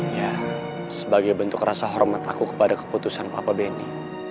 ya sebagai bentuk rasa hormat aku kepada keputusan papa benny